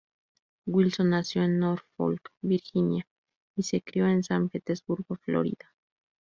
Wilson nació en Norfolk, Virginia; y se crió en San Petersburgo, Florida.